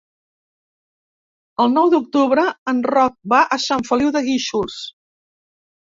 El nou d'octubre en Roc va a Sant Feliu de Guíxols.